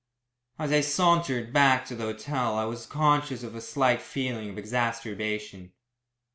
As I sauntered back to the hotel I was conscious of a slight feeling of exacerbation.